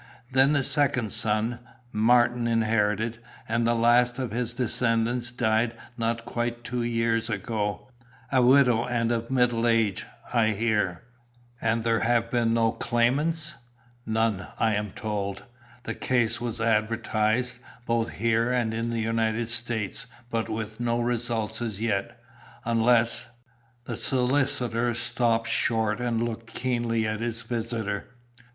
Then the second son, Martin, inherited, and the last of his descendants died not quite two years ago, a widow and of middle age, I hear." "And there have been no claimants?" "None, I am told. The case was advertised, both here and in the United States, but with no results as yet, unless " The solicitor stopped short and looked keenly at his visitor.